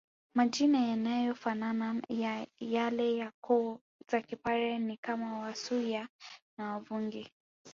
Majina yanayofanana ya yale ya koo za kipare ni kama Wasuya na Wavungi